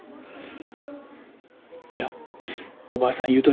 いやおばあさん